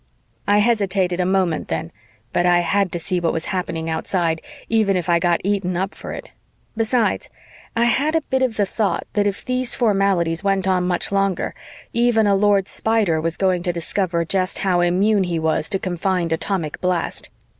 I hesitated a moment then, but I had to see what was happening outside, even if I got eaten up for it. Besides, I had a bit of the thought that if these formalities went on much longer, even a Lord Spider was going to discover just how immune he was to confined atomic blast.